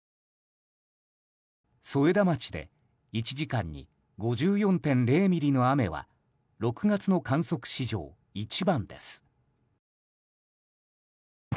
添田町で１時間に５４．０ミリの雨は６月の観測史上一番です。